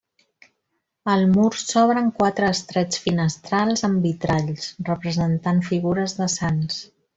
Al mur s'obren quatre estrets finestrals amb vitralls representant figures de sants.